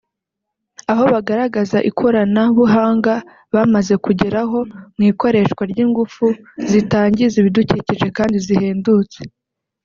aho bagaragaza ikorana buhanga bamaze kugeraho mu ikoreshwa ry’ingufu zitangiza ibidukikije kandi zihendutse